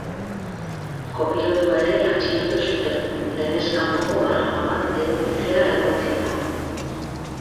Kopilotua ere atxilotu zuten, legez kanpoko arma bat edukitzea egotzita.